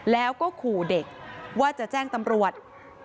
แล้วก็ขู่เด็กว่าจะแจ้งตำรวจ